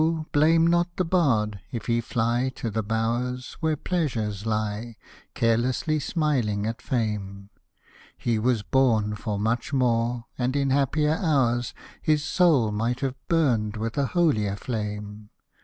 blame not the bard, if he fly to the bowers, Where Pleasure lies, carelessly smiling at Fame ; He was born for much more, and in happier hours His soul might have burned with a holier flame.